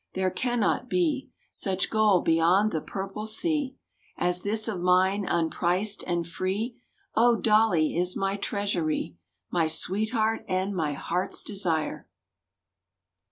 —there cannot be Such gold beyond the Purple Sea As this of mine—unpriced and free! Oh, Dolly is my treasury, My sweetheart and my heart's desire!